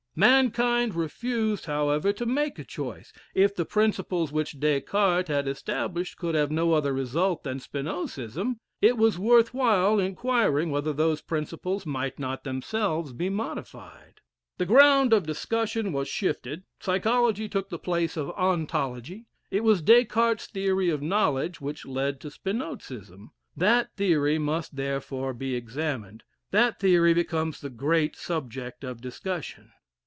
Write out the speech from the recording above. "Mankind refused, however, to make a choice. If the principles which Descartes had established could have no other result than Spinozism, it was worth while inquiring whether those principles might not themselves be modified. "The ground of discussion was shifted, psychology took the place of ontology. It was Descartes's theory of knowledge which led to Spinozism; that theory must therefore he examined; that theory becomes the great subject of discussion.